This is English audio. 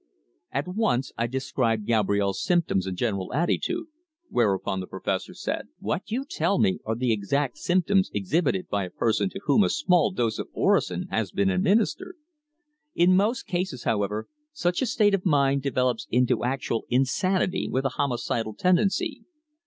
At once I described Gabrielle's symptoms and general attitude, whereupon the Professor said: "What you tell me are the exact symptoms exhibited by a person to whom a small dose of orosin has been administered. In most cases, however, such a state of mind develops into actual insanity with a homicidal tendency.